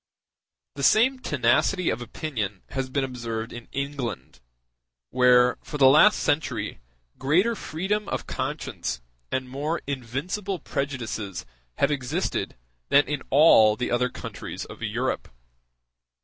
The same tenacity of opinion has been observed in England, where, for the last century, greater freedom of conscience and more invincible prejudices have existed than in all the other countries of Europe.